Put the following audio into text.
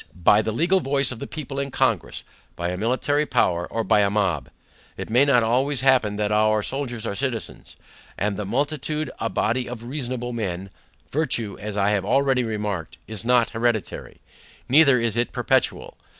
By the legal voice of the people in Congress; by a military power; or by a mob: It may not always happen that our soldiers are citizens, and the multitude a body of reasonable men; virtue, as I have already remarked, is not hereditary, neither is it perpetual.